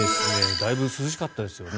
だいぶ涼しかったですよね。